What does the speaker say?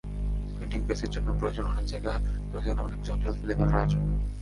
Printing প্রেসের জন্য প্রয়োজন অনেক জায়গা, প্রয়োজন অনেক জঞ্জাল ফেলে দেওয়ার আয়োজন।